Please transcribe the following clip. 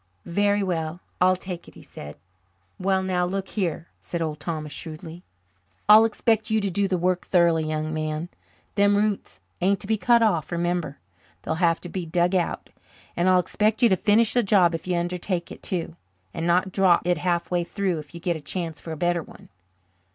"Very well, I'll take it," he said. "Well, now, look here," said Old Thomas shrewdly, "I'll expect you to do the work thoroughly, young man. Them roots ain't to be cut off, remember; they'll have to be dug out. And I'll expect you to finish the job if you undertake it too, and not drop it halfway through if you get a chance for a better one."